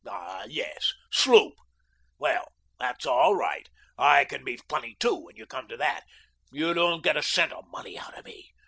Ah, yes, sloop! Well, that's all right. I can be funny, too, when you come to that. You don't get a cent of money out of me.